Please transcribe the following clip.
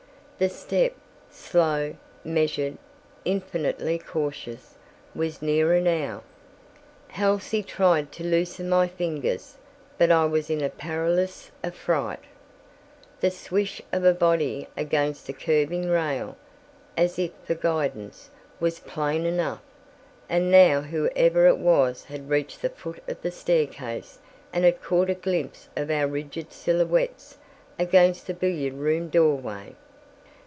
The step, slow, measured, infinitely cautious, was nearer now. Halsey tried to loosen my fingers, but I was in a paralysis of fright. The swish of a body against the curving rail, as if for guidance, was plain enough, and now whoever it was had reached the foot of the staircase and had caught a glimpse of our rigid silhouettes against the billiard room doorway.